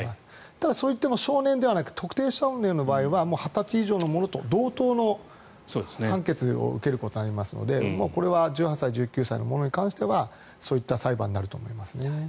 ただ、そういった少年ではなく特定少年の場合は２０歳以上の者と同等の判決を受けることになりますのでこれは１８歳、１９歳の者に関してはそういった裁判になると思います。